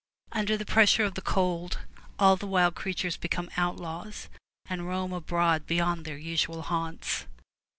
Under the pressure of the cold all the wild creatures become outlaws, and roam abroad beyond their usual haunts.